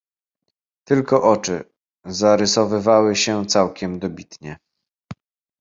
"Tylko oczy zarysowywały się całkiem dobitnie."